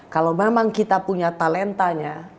kalau memang kita punya talentanya